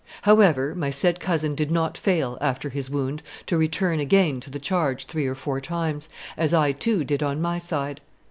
However, my said cousin did not fail, after his wound, to return again to the charge three or four times, as I too did on my side.